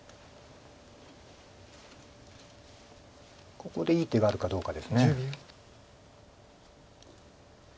ここでいい手があるかどうかです。